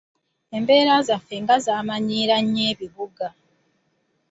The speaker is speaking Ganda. Embera zaffe nga zaamanyiira nnyo ekibuga.